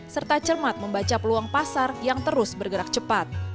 serta cermat membaca peluang pasar yang terus bergerak cepat